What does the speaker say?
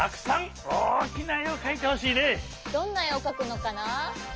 どんなえをかくのかな？